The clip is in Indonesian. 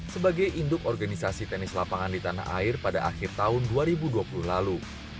sebagai induk organisasi tenis lapangan di tanah air pada akhir tahun dua ribu dua puluh lalu